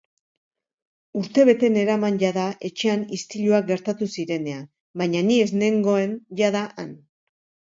Urtebete neraman jada etxean istiluak gertatu zirenean, baina ni ez nengoen jada han.